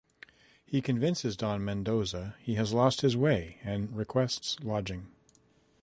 He convinces Don Mendoza he has lost his way and requests lodging.